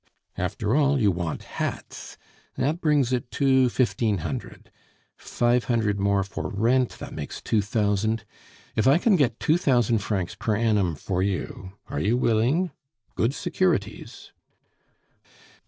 "After all, you want hats; that brings it to fifteen hundred. Five hundred more for rent; that makes two thousand. If I can get two thousand francs per annum for you, are you willing?... Good securities."